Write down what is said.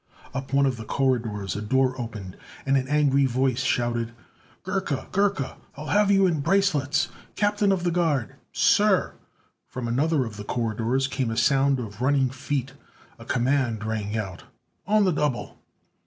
Up one of the corridors a door opened, and an angry voice shouted: "Gurka! Gurka! I'll have you in bracelets! Captain of the guard!" "Sir!" From another of the corridors came a sound of running feet. A command rang out: "On the double!"